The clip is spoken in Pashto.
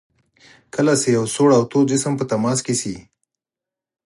کله چې یو سوړ او تود جسم په تماس شي.